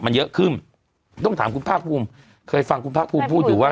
มันเยอะขึ้นต้องถามคุณภาคภูมิเคยฟังคุณภาคภูมิพูดอยู่ว่า